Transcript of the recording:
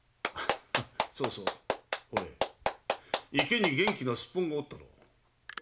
そうそうほれ池に元気なスッポンがおったな。